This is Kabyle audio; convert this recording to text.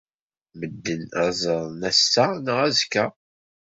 Medden ad ẓren ass-a neɣ azekka.